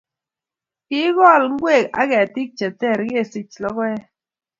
kikool ngwek ak ketik cheteer chesichei lokoek